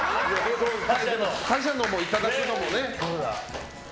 他社のをいただくのもね。